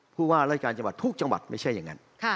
ผู้ว่าราชการจังหวัดทุกจังหวัดไม่ใช่อย่างนั้น